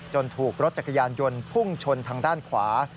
ถูกรถจักรยานยนต์พุ่งชนทางด้านขวา